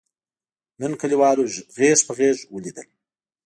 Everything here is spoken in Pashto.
نن کلیوالو غېږ په غېږ ولیدل.